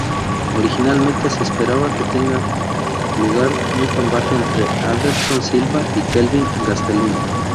Originalmente, se esperaba que tenga lugar un combate entre Anderson Silva y Kelvin Gastelum.